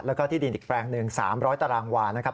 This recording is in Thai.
แล้วก็ที่ดินอีกแปลงหนึ่ง๓๐๐ตารางวานะครับ